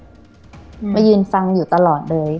มายืนฟังอยู่ตลอดเลย